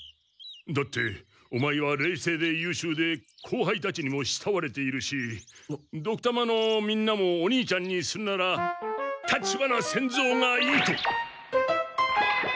だってオマエは冷静で優しゅうで後輩たちにもしたわれているしドクたまのみんなもお兄ちゃんにするなら立花仙蔵がいいと！